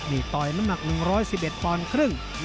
นี่ต่อยน้ำหนัก๑๑๑ปอนด์ครึ่ง